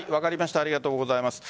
ありがとうございます。